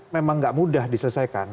memang gak mudah diselesaikan